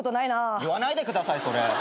言わないでくださいそれ。